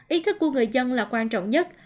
ý thức của người dân là quan trọng nhất